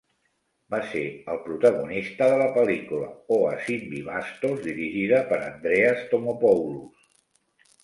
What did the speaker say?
Va ser el protagonista de la pel·lícula "O Asymvivastos", dirigida per Andreas Thomopoulos.